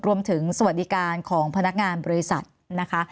สวัสดิการของพนักงานบริษัทนะคะ